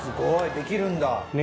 できるんだ。